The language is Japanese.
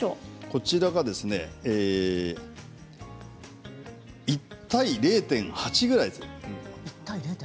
こちらがですね１対０．８くらいですね。